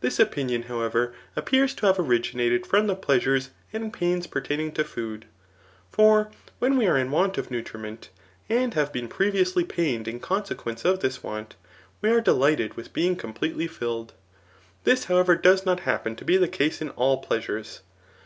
This opinion, however, appears to have originated from the pleasures and pains pertain ing to food ; for whai we are in want of nutriment, and have been previously pained in consequence of this want, we are delighted with being completely filled. This, however, does not happen to be the case in all pleasures.